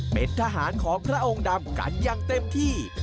เป็นทหารของพระองค์ดำกันอย่างเต็มที่